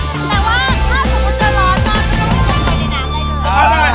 แต่ว่าถ้าผมจะรอจ้อยไม่ต้องกินช่วยในน้ำได้เลย